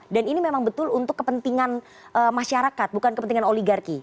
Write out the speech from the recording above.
dan ini memang betul untuk kepentingan masyarakat bukan kepentingan oligarki